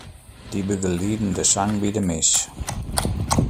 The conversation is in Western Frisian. Dy begelieden de sang by de mis.